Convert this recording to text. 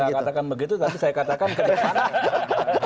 saya gak katakan begitu tapi saya katakan ke depan